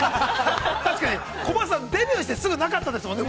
◆確かに、コバさん、デビューしてすぐになかったですもんね？